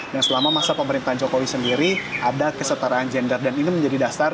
dan selama masa pemerintahan jokowi sendiri ada kesetaraan gender dan ini menjadi dasar